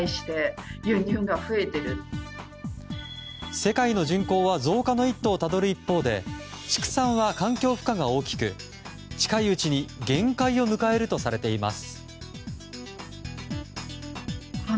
世界の人口は増加の一途をたどる一方で畜産は環境負荷が大きく近いうちに限界を迎えるとされています。